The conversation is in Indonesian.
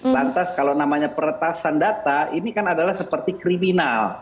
lantas kalau namanya peretasan data ini kan adalah seperti kriminal